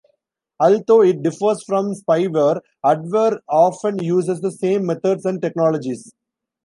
Although it differs from spyware, adware often uses the same methods and technologies.